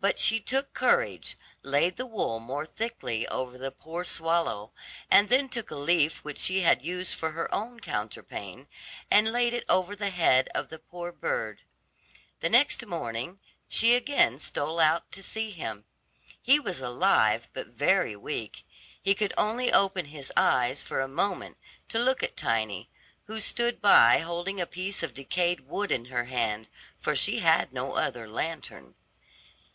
But she took courage, laid the wool more thickly over the poor swallow, and then took a leaf which she had used for her own counterpane, and laid it over the head of the poor bird. The next morning she again stole out to see him. He was alive but very weak; he could only open his eyes for a moment to look at Tiny, who stood by holding a piece of decayed wood in her hand, for she had no other lantern.